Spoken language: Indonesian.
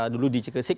dulu di cikisik